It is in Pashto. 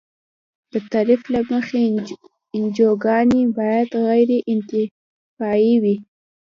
د تعریف له مخې انجوګانې باید غیر انتفاعي وي.